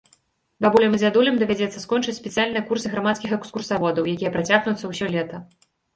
Бабулям і дзядулям давядзецца скончыць спецыяльныя курсы грамадскіх экскурсаводаў, якія працягнуцца ўсё лета.